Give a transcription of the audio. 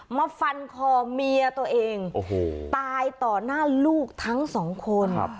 มาฟันคอเมียตัวเองตายต่อหน้าลูกทั้งสองคน